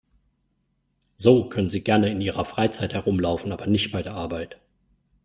So können Sie gerne in Ihrer Freizeit herumlaufen, aber nicht bei der Arbeit.